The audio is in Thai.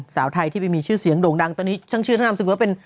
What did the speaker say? สาวไทยที่ไปมีชื่อเสียงโด่งดังตอนนี้ทั้งชื่อทั้งนามสมมุติว่าเป็น